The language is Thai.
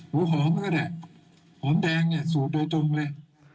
หอมก็ได้หอมแดงเนี่ยสูตรโดยตรงเลย